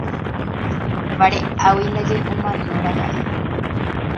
Vare'águi ndaje omanóraka'e.